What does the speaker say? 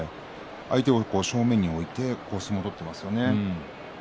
相手を正面に置いて相撲を取っていますよね。